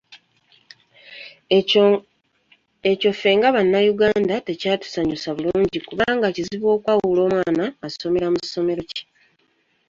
Ekyo ffe nga Bannayuganda tekyatusanyusa bulungi kubanga kizibu okwawula omwana asomera mu ssomero ki.